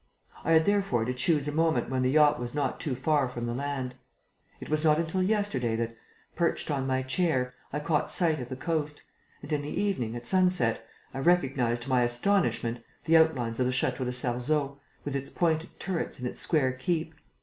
I had therefore to choose a moment when the yacht was not too far from the land. It was not until yesterday that, perched on my chair, I caught sight of the coast; and, in the evening, at sunset, I recognized, to my astonishment, the outlines of the Château de Sarzeau, with its pointed turrets and its square keep.